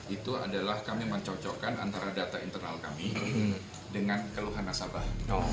itu adalah kami mencocokkan antara data internal kami dengan keluhan nasabah